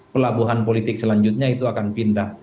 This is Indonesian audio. pelabuhan politik selanjutnya itu akan pindah